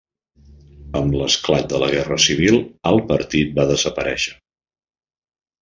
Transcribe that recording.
Amb l'esclat de la guerra civil el partit va desaparèixer.